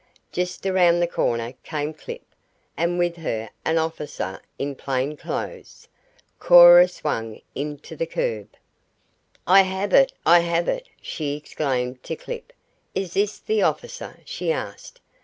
Just around the corner came Clip, and with her an officer in plain clothes. Cora swung in to the curb. "I have it! I have it!" she exclaimed to Clip. "Is this the officer?" she asked.